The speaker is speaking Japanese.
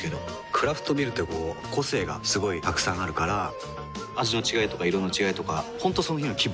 クラフトビールってこう個性がすごいたくさんあるから味の違いとか色の違いとか本当その日の気分。